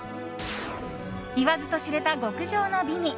言わずと知れた極上の美味。